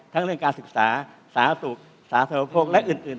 ทั้งเรื่องการศึกษาสาธารณะสุขสาธารณภพโครงและอื่น